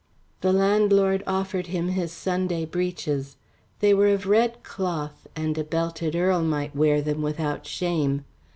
The landlord offered him his Sunday breeches. They were of red cloth, and a belted earl might wear them without shame.